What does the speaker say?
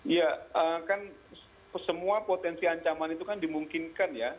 ya kan semua potensi ancaman itu kan dimungkinkan ya